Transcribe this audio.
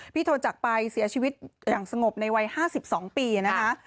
โทนจักรไปเสียชีวิตอย่างสงบในวัย๕๒ปีนะคะ